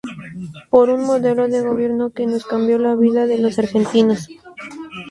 Por un modelo de gobierno que nos cambió la vida de los argentinos".